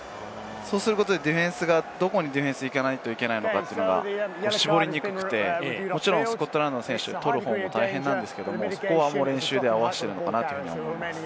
そうすることでディフェンスが、どこに行かなきゃいけないのか絞りづらくてスコットランドの選手、取る方ももちろん大変なんですけれども、練習で合わせているのかなと思います。